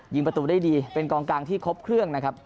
ประตูได้ดีเป็นกองกลางที่ครบเครื่องนะครับ